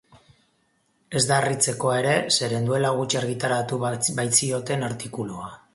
Ez da harritzekoa ere, zeren duela gutxi argitaratu baitzioten artikulua.